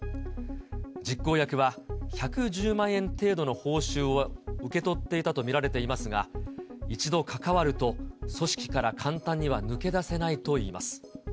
実行役は、１１０万円程度の報酬を受け取っていたと見られていますが、一度関わると、組織から簡単には抜け出せないといいます。